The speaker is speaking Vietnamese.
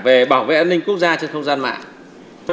về bảo vệ an ninh quốc gia trên không gian mạng